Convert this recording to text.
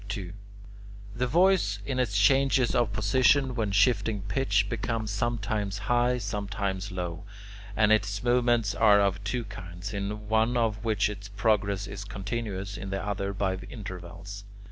2. The voice, in its changes of position when shifting pitch, becomes sometimes high, sometimes low, and its movements are of two kinds, in one of which its progress is continuous, in the other by intervals.